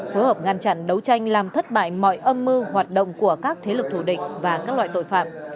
phối hợp ngăn chặn đấu tranh làm thất bại mọi âm mưu hoạt động của các thế lực thủ địch và các loại tội phạm